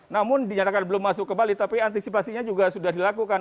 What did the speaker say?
namun dinyatakan belum masuk ke bali tapi antisipasinya juga sudah dilakukan